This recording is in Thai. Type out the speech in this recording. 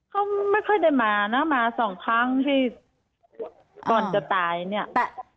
เขาไม่ค่อยได้มานะมาสองครั้งที่ก่อนจะตายเนี่ย